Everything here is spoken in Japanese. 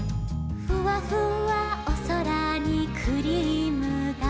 「ふわふわおそらにクリームだ」